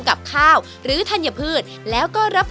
เอาล่ะเริ่มแล้วนะครับอ๋อ